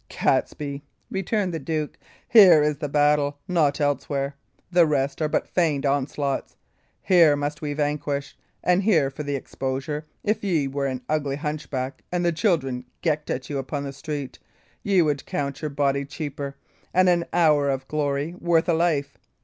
"Catesby," returned the duke, "here is the battle, not elsewhere. The rest are but feigned onslaughts. Here must we vanquish. And for the exposure if ye were an ugly hunchback, and the children gecked at you upon the street, ye would count your body cheaper, and an hour of glory worth a life.